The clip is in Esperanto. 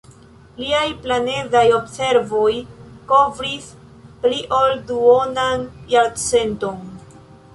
Liaj planedaj observoj kovris pli ol duonan jarcenton.